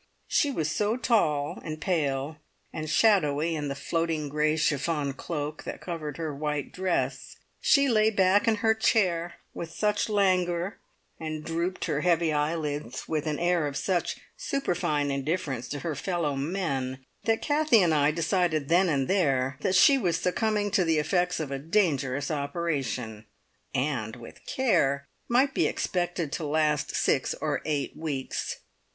She was so tall and pale and shadowy in the floating grey chiffon cloak that covered her white dress, she lay back in her chair with such languor, and drooped her heavy eyelids with an air of such superfine indifference to her fellow men, that Kathie and I decided then and there that she was succumbing to the effects of a dangerous operation, and with care might be expected to last six or eight weeks.